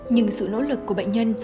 nhưng sự nỗ lực của bệnh nhân